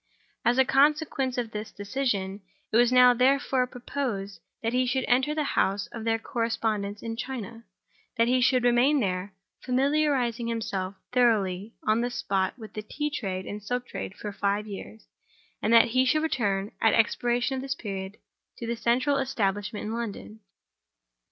As a consequence of this decision, it was now, therefore, proposed that he should enter the house of their correspondents in China; that he should remain there, familiarizing himself thoroughly on the spot with the tea trade and the silk trade for five years; and that he should return, at the expiration of this period, to the central establishment in London.